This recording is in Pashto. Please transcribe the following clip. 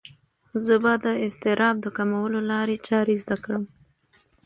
زه به د اضطراب د کمولو لارې چارې زده کړم.